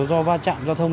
thì nó vai chạm giao thông